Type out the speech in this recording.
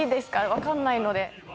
分かんないので。